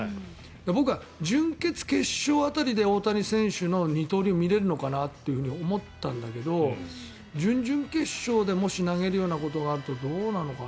僕は準決、決勝辺りで大谷選手の二刀流を見られるのかなと思ったんだけど準々決勝でもし投げるようなことがあるとどうなのかな。